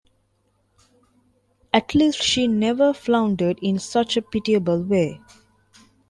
At least she never floundered in such a pitiable way.